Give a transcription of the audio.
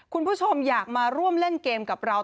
คุณผู้ชมอยากมาร่วมเล่นเกมกับเรา